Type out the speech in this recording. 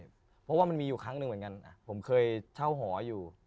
เพราะว่ามันมีอยู่ครั้งหนึ่งเหมือนกันผมเคยเช่าหออยู่